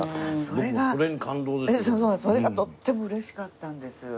それがとっても嬉しかったんです。